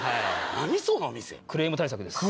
何⁉そのお店！クレーム対策です。